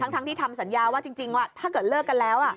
ทั้งที่ทำสัญญาว่าจริงว่าถ้าเกิดเลิกกันแล้ว